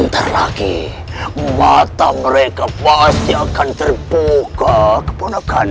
terima kasih gufri prabu